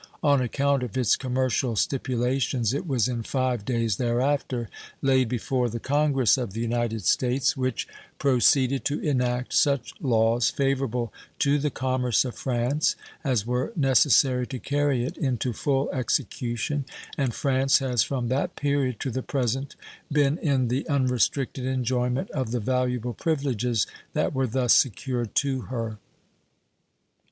On account of its commercial stipulations it was in five days thereafter laid before the Congress of the United States, which proceeded to enact such laws favorable to the commerce of France as were necessary to carry it into full execution, and France has from that period to the present been in the unrestricted enjoyment of the valuable privileges that were thus secured to her.